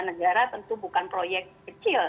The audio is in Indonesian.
negara tentu bukan proyek kecil